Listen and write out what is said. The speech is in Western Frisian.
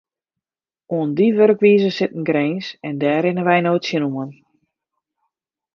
Oan dy wurkwize sit in grins en dêr rinne wy no tsjinoan.